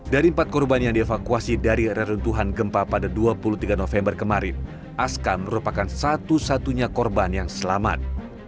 dari empat korban yang dievakuasi dari reruntuhan gempa pada dua puluh tiga november kemarin aska merupakan satu satunya korban yang selamat